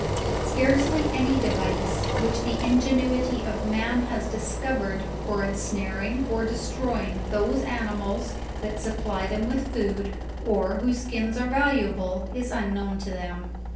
Scarcely any device, which the ingenuity of man has discovered for ensnaring or destroying those animals that supply them with food, or whose tkins are valuable, is un known to them.